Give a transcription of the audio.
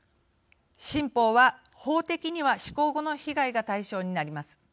新法は、法的には施行後の被害が対象になります。